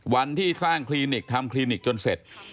วันที่สร้างคลินิกทำคลินิกจนเสร็จ